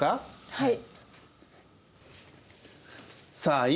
はい。